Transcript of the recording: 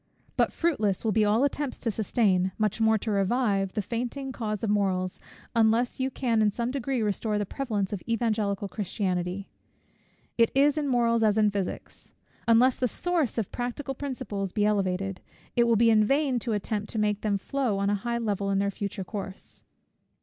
But fruitless will be all attempts to sustain, much more to revive, the fainting cause of morals, unless you can in some degree restore the prevalence of Evangelical Christianity. It is in morals as in physics; unless the source of practical principles be elevated, it will be in vain to attempt to make them flow on a high level in their future course.